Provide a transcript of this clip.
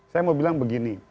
saya mau bilang begini